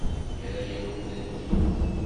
Yerra-yawen-tent-id?